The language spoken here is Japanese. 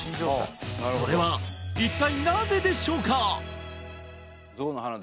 それは一体なぜでしょうか？